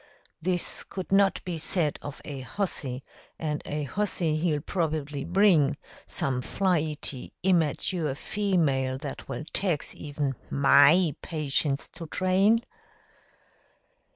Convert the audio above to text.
This could not be said of a hussy, and a hussy he'll probably bring some flighty, immerture female that will tax even MY patience to train."